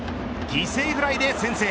犠牲フライで先制。